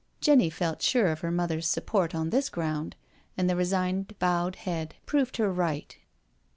Jenny felt sure of her mother's support on this ground, and the resigned, bowed head proved her right.